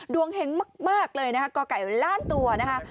เฮงมากเลยนะคะก่อไก่ล้านตัวนะคะ